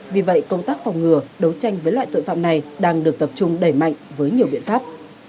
vì vậy công tác phòng ngừa đấu tranh với loại tội phạm này đang được tập trung đẩy mạnh với nhiều biện pháp